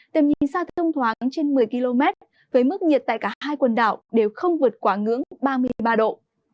tầm nhìn xa thông thoáng trên một mươi km với mức nhiệt tại cả hai quần đảo đều không vượt quá ngưỡng ba mươi ba độ